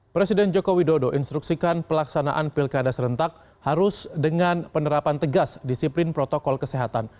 presiden joko widodo instruksikan pelaksanaan pilkada serentak harus dengan penerapan tegas disiplin protokol kesehatan